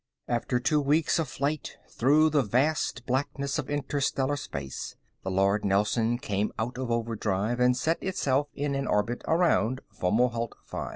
_After two weeks of flight through the vast blackness of interstellar space, the Lord Nelson came out of overdrive and set itself in an orbit around Fomalhaut V.